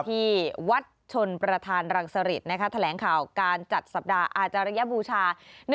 ที่วัดชนประธานรังสริตแถลงข่าวการจัดสัปดาห์อาจารยบูชา